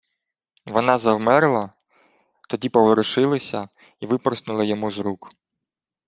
Вона завмерла, тоді поворушилася й випорснула йому з рук.